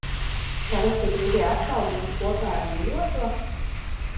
Tātad tu gribi atkal būt kopā ar mīļoto?